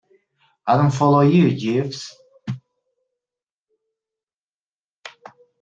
I don't follow you, Jeeves.